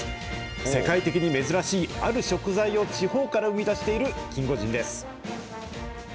世界的に珍しい、ある食材を、地方から生み出しているキンゴジンです。